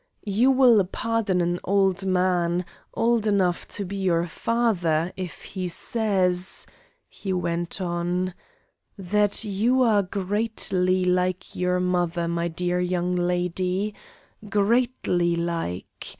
"You will pardon an old man, old enough to be your father, if he says," he went on, "that you are greatly like your mother, my dear young lady greatly like.